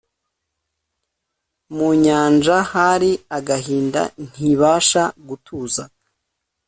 mu nyanja hari agahinda ntibasha gutuza